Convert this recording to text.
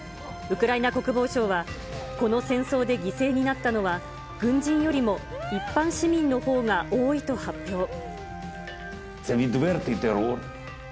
ウクライナ国防相は、この戦争で犠牲になったのは、軍人よりも一般市民のほうが多いと発表。